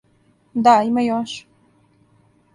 Да, има још.